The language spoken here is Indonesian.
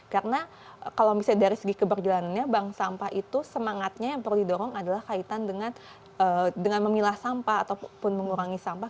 karena kalau misalnya dari segi keberjalanannya bank sampah itu semangatnya yang perlu didorong adalah kaitan dengan memilah sampah ataupun mengurangi sampah